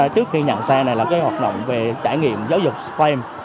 trước khi nhận xe này là cái hoạt động về trải nghiệm giáo dục stem